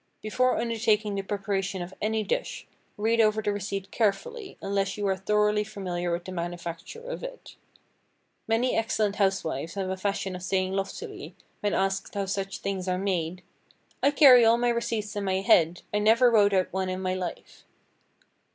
Before undertaking the preparation of any dish, read over the receipt carefully, unless you are thoroughly familiar with the manufacture of it. Many excellent housewives have a fashion of saying loftily, when asked how such things are made—"I carry all my receipts in my head. I never wrote out one in my life."